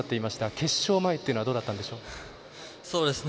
決勝前というのはいかがだったんでしょう。